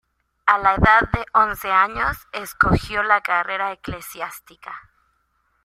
A la edad de once años escogió la carrera eclesiástica.